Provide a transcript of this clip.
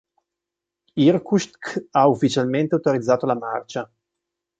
Irkutsk ha ufficialmente autorizzato la marcia.